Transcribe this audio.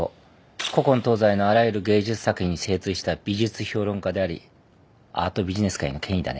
古今東西のあらゆる芸術作品に精通した美術評論家でありアートビジネス界の権威だね。